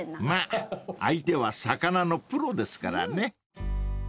［まぁ相手は魚のプロですからね］